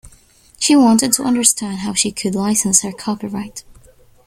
She wanted to understand how she could license her copyright.